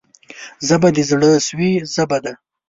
ژبه د زړه سوي ژبه ده